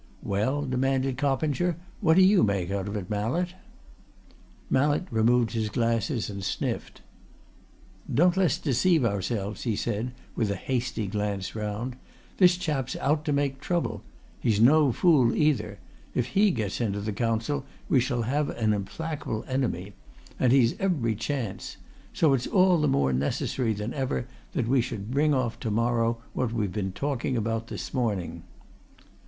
"Well?" demanded Coppinger. "What do you make of it, Mallett?" Mallett removed his glasses and sniffed. "Don't let's deceive ourselves," he said, with a hasty glance round. "This chap's out to make trouble. He's no fool, either. If he gets into the Council we shall have an implacable enemy. And he's every chance. So it's all the more necessary than ever that we should bring off to morrow what we've been talking over this morning."